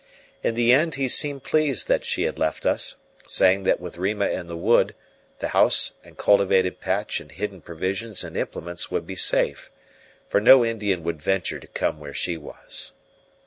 In the end he seemed pleased that she had left us, saying that with Rima in the wood the house and cultivated patch and hidden provisions and implements would be safe, for no Indian would venture to come where she was.